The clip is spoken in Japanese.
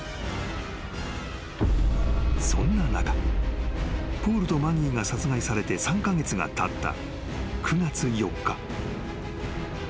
［そんな中ポールとマギーが殺害されて３カ月がたった］